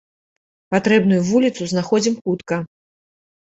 Патрэбную вуліцу знаходзім хутка.